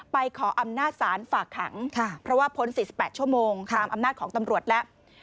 ไปขออำนาจศาลฝากไหล่ค่ะเพราะว่าพ้น๔๘ชั่วโมงครามอำนาจของตำรวจละ